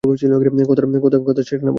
কথা সেটা না, বনি।